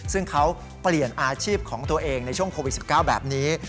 ซึ่งเขาเปลี่ยนอาชีพของตัวเองในช่วงโควิด๑๙แบบนี้